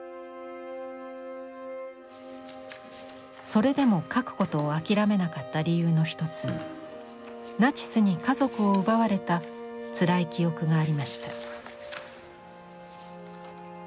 それでも描くことを諦めなかった理由の一つにナチスに家族を奪われたつらい記憶がありました。